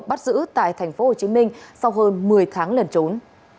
bắt giữ tại thành phố hồ chí minh sau hơn một mươi tháng lần trốn